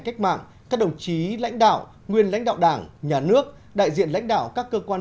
cách mạng các đồng chí lãnh đạo nguyên lãnh đạo đảng nhà nước đại diện lãnh đạo các cơ quan